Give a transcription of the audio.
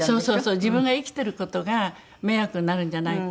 自分が生きてる事が迷惑になるんじゃないかと思って。